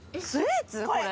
これ。